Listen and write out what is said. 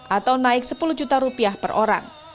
atau naik rp sepuluh juta per orang